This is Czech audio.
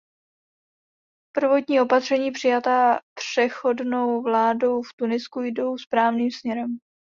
Prvotní opatření přijatá přechodnou vládou v Tunisku jdou správným směrem.